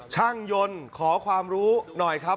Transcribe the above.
ช่างยนต์ขอความรู้หน่อยครับ